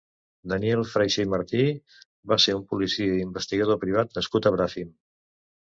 Daniel Freixa i Martí va ser un policia i imvestigador privat nascut a Bràfim.